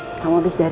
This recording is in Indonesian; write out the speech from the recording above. sebenarnya gue sadar